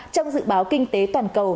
trong dự báo kinh tế toàn cầu